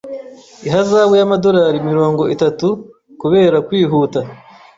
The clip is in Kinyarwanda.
Ihazabu y'amadolari mirongo itatu kubera kwihuta.